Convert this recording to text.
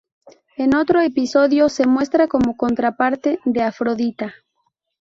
En otro episodio se muestra como contraparte de Afrodita.